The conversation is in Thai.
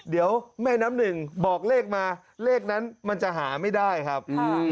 เดี๋ยวแม่น้ำหนึ่งบอกเลขมาเลขนั้นมันจะหาไม่ได้ครับ